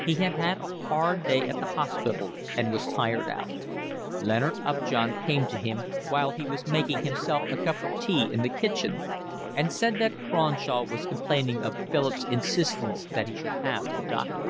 He had had a hard day at the hospital and was tired out. Leonard Upjohn came to him, while he was making himself a cup of tea in the kitchen, and said that Cronshaw was complaining of Philip's insistence that he should have a doctor.